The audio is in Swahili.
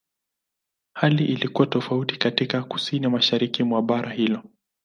Hali ilikuwa tofauti katika Kusini-Mashariki mwa bara hilo.